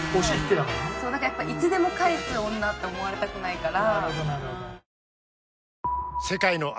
なんかやっぱいつでも返す女って思われたくないから。